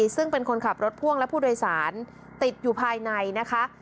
ซึ่งเป็นคนขับรถพ่วงและผู้โดยสารติดอยู่ภายในนะคะ